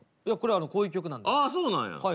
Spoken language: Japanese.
いやこれはこういう曲なんだよ。